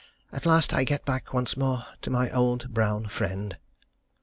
At last I get back once more to my old brown friend.